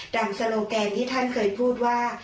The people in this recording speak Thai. โซโลแกนที่ท่านเคยพูดว่า